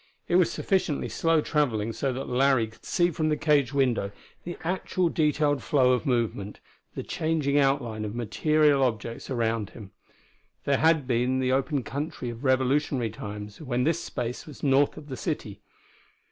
It was sufficiently slow traveling so that Larry could see from the cage window the actual detailed flow of movement: the changing outline of material objects around him. There had been the open country of Revolutionary times when this space was north of the city.